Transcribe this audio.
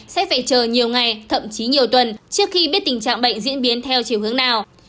sẽ phải chờ nhiều ngày thậm chí nhiều tuần trước khi biết tình trạng bệnh diễn biến theo chiều hướng nào